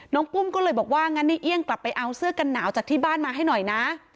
ปุ้มก็เลยบอกว่างั้นในเอี่ยงกลับไปเอาเสื้อกันหนาวจากที่บ้านมาให้หน่อยนะ